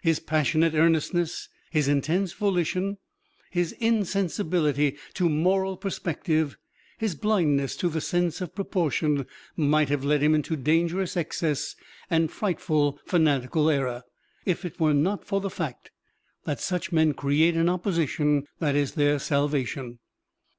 His passionate earnestness, his intense volition, his insensibility to moral perspective, his blindness to the sense of proportion, might have led him into dangerous excess and frightful fanatical error, if it were not for the fact that such men create an opposition that is their salvation.